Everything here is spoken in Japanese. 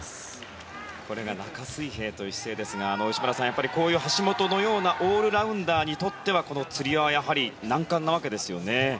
これが中水平という姿勢ですがこういう橋本のようなオールラウンダーにとってはこのつり輪はやはり難関なわけですよね。